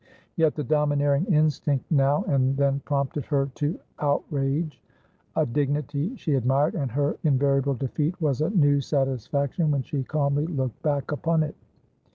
Yet the domineering instinct now and then prompted her to outrage a dignity she admired, and her invariable defeat was a new satisfaction when she calmly looked back upon it.